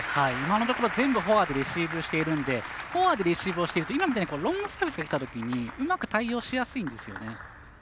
今のところ全部フォアでレシーブしているのでフォアでレシーブをしていると今みたいにロングサービスがきたときうまく対応しやすいんですよね。